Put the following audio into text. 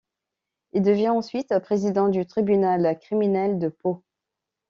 Il devient ensuite président du tribunal criminel de Pau.